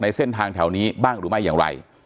เส้นทางแถวนี้บ้างหรือไม่อย่างไร